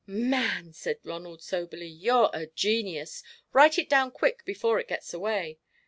"Man," said Ronald, soberly, "you're a genius. Write it down quick before it gets away.